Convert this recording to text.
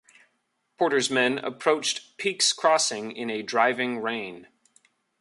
Porter's men approached Peake's Crossing in a driving rain.